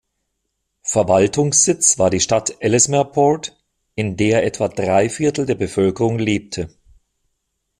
Verwaltungssitz war die Stadt Ellesmere Port, in der etwa drei Viertel der Bevölkerung lebte.